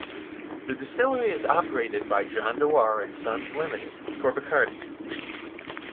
The distillery is operated by John Dewar and Sons Limited for Bacardi.